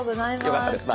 よかったです。